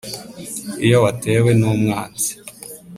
Iyo watewe n’umwanzi